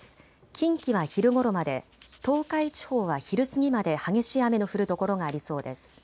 近畿は昼ごろまで、東海地方は昼過ぎまで激しい雨の降る所がありそうです。